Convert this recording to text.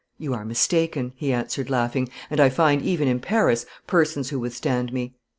"You are mistaken," he answered, laughing; "and I find even in Paris persons who withstand me.